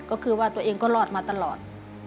ก็คือว่าตัวเองก็รอดมาตลอด